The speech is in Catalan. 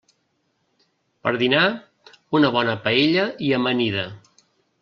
Per dinar, una bona paella i amanida.